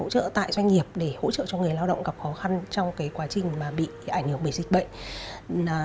doanh nghiệp để hỗ trợ cho người lao động gặp khó khăn trong quá trình bị ảnh hưởng bởi dịch bệnh